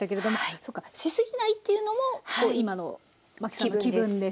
そっかしすぎないというのも今の麻紀さんの気分です。